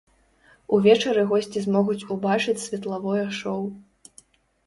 Увечары госці змогуць убачыць светлавое шоў.